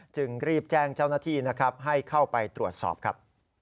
จึงรีบแจ้งเจ้าหน้าที่นะครับให้เข้าไปตรวจสอบครับ